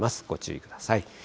ご注意ください。